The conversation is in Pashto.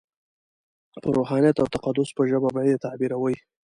په روحانیت او تقدس په ژبه به یې تعبیروي.